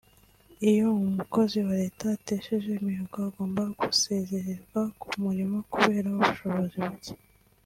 Iyo umukozi wa Leta atesheje imihigo agomba gusezererwa ku murimo kubera ubushobozi buke